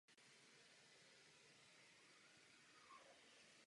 Samice jsou převážně celé černé.